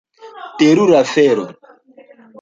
Terura afero.